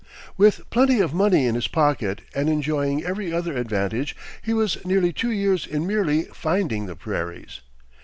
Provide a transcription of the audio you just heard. With plenty of money in his pocket and enjoying every other advantage, he was nearly two years in merely finding the prairies.